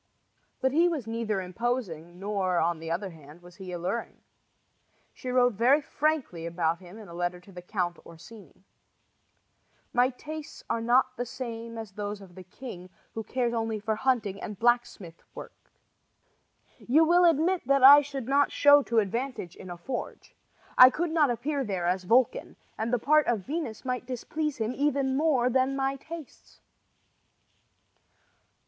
But he was neither imposing, nor, on the other hand, was he alluring. She wrote very frankly about him in a letter to the Count Orsini: My tastes are not the same as those of the king, who cares only for hunting and blacksmith work. You will admit that I should not show to advantage in a forge. I could not appear there as Vulcan, and the part of Venus might displease him even more than my tastes.